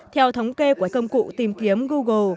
theo thống kê của công cụ tìm kiếm google